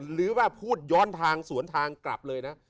หรือว่าพูดย้อนทางสวนทางกลับเลยนะ